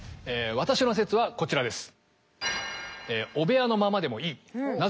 私の説はこちらです。